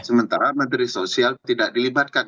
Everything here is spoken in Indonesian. sementara menteri sosial tidak dilibatkan